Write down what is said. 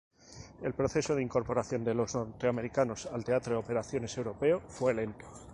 El proceso de incorporación de los norteamericanos al "Teatro de Operaciones Europeo" fue lento.